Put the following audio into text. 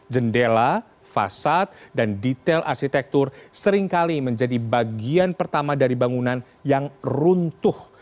jendela fasad dan detail arsitektur seringkali menjadi bagian pertama dari bangunan yang runtuh